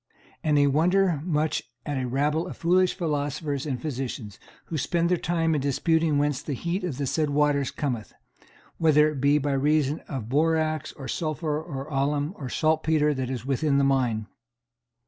And I wonder much at a rabble of foolish philosophers and physicians, who spend their time in disputing whence the heat of the said waters cometh, whether it be by reason of borax, or sulphur, or alum, or saltpetre, that is within the mine.